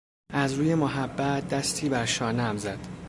از روی محبت دستی بر شانهام زد.